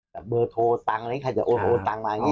แบบเบอร์โทรตังค์อะไรอย่างนี้ใครจะโอนตังค์มาอย่างนี้